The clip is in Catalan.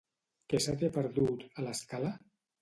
Què se t'hi ha perdut, a L'Escala?